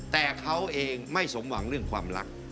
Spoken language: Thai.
แต่เขาเองไม่สมหวังเรื่องความรัก